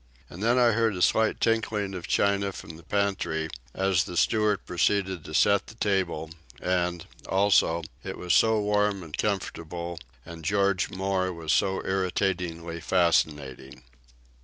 And then I heard a slight tinkling of china from the pantry as the steward proceeded to set the table, and, also, it was so warm and comfortable, and George Moore was so irritatingly fascinating.